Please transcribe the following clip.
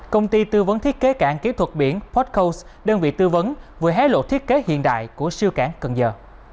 công ty tư vấn thiết kế cảng kỹ thuật biển pot cose đơn vị tư vấn vừa hé lộ thiết kế hiện đại của siêu cảng cần giờ